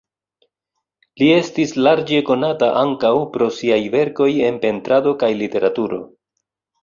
Li estis larĝe konata ankaŭ pro siaj verkoj en pentrado kaj literaturo.